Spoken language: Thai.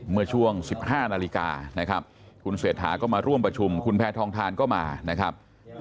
เมื่อช่วง๑๕นาฬิกานะครับคุณเศรษฐาก็มาร่วมประชุมคุณแพทองทานก็มานะครับ